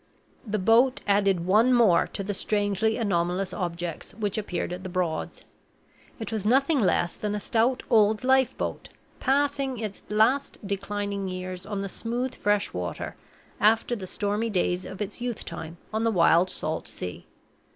The boat added one more to the strangely anomalous objects which appeared at the Broads. It was nothing less than a stout old lifeboat, passing its last declining years on the smooth fresh water, after the stormy days of its youth time on the wild salt sea.